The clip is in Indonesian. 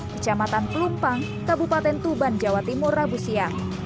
kecamatan pelumpang kabupaten tuban jawa timur rabu siang